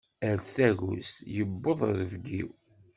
Ar tagust yewweḍ rrebg-iw.